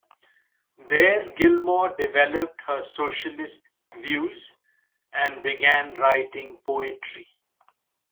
There Gilmore developed her socialist views and began writing poetry.